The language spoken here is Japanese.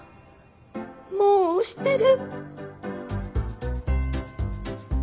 もう推してる！